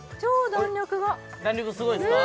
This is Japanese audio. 弾力すごいっすか？